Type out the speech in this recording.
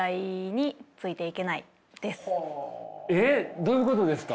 えどういうことですか？